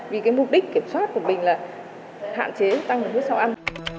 vì cái mục đích kiểm soát của mình là hạn chế tăng cái huyết sau ăn